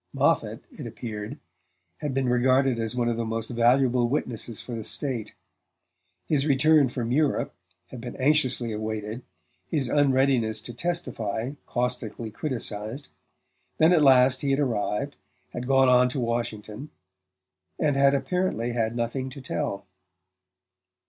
Moffatt, it appeared, had been regarded as one of the most valuable witnesses for the State; his return from Europe had been anxiously awaited, his unreadiness to testify caustically criticized; then at last he had arrived, had gone on to Washington and had apparently had nothing to tell.